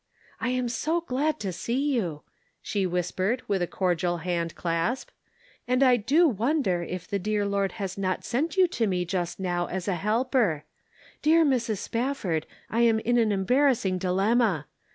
" I'm so glad to see you /' she whispered, with a cordial hand clasp. " And I do wonder if the dear Lord has not sent you to me just now as a helper? Dear Mrs. Spafford, I am in an embarrassing dilemma.